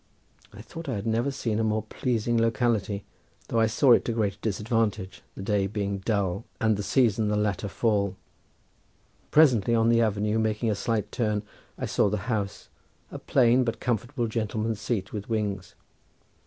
I thought I had never seen a more pleasing locality, though I saw it to great disadvantage, the day being dull, and the season the latter fall. Presently, on the avenue making a slight turn, I saw the house, a plain but comfortable gentleman's seat with wings.